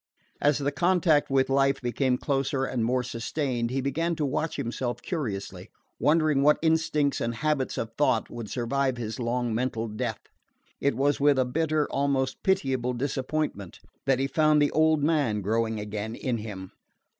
As the contact with life became closer and more sustained he began to watch himself curiously, wondering what instincts and habits of thought would survive his long mental death. It was with a bitter, almost pitiable disappointment that he found the old man growing again in him.